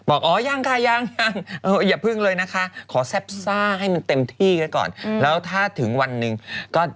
โอ้ยดังมาก